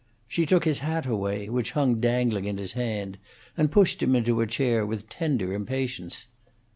She took his hat away, which hung dangling in his hand, and pushed him into a chair with tender impatience.